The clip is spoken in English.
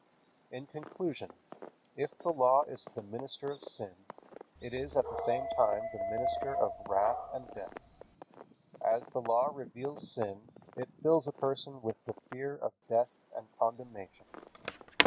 In conclusion, if the Law is the minister of sin, it is at the same time the minister of wrath and death. As the Law reveals sin it fills a person with the fear of death and condemnation.